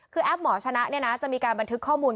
คือแอปหมอชนะจะมีการบันทึกข้อมูล